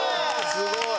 すごい！